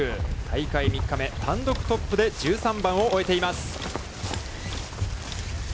大会３日目、単独トップで１３番を終えています。